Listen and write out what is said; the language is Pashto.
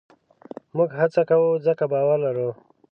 موږ هڅه کوو؛ ځکه باور لرو.